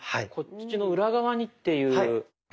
こっちの裏側にっていう。